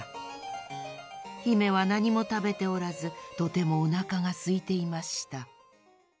姫はなにもたべておらずとてもおなかがすいていました。